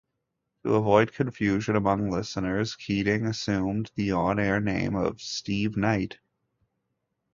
To avoid confusion among listeners, Keating assumed the on-air name of Steve Knight.